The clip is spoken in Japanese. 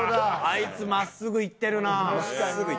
あいつ真っすぐ行ってるな。